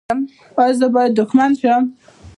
ایا زه باید دښمن شم؟